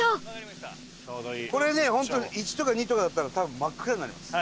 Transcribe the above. これねホントに１とか２とかだったら多分真っ暗になります。